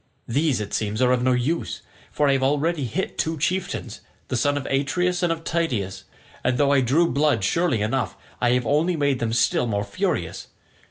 These it seems, are of no use, for I have already hit two chieftains, the sons of Atreus and of Tydeus, and though I drew blood surely enough, I have only made them still more furious.